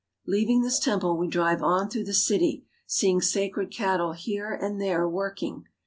Leaving this temple we drive on through the city, see ing sacred cattle here and there working.